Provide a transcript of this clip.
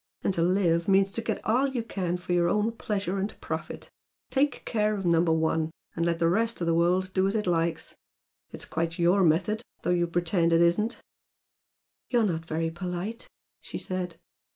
And to 'live' means to get all you can for your own pleasure and profit, take care of Number One! and let the rest of the world do as it likes. It's quite YOUR method, though you pretend it isn't!" "You're not very polite!" she said.